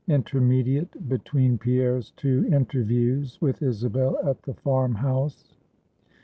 INTERMEDIATE BETWEEN PIERRE'S TWO INTERVIEWS WITH ISABEL AT THE FARM HOUSE.